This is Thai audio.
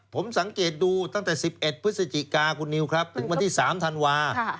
ผมสังเกตดูตั้งแต่๑๑พฤศจิกาคุณนิวครับถึงวันที่๓ธันวา